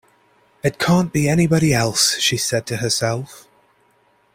‘It can’t be anybody else!’ she said to herself.